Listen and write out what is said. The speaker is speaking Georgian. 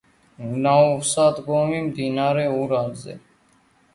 ნავსადგომი მდინარე ურალზე.